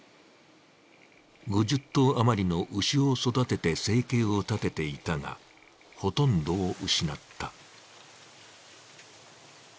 ５０頭余りの牛を育てて生計を立てていたが、ほとんどを失った。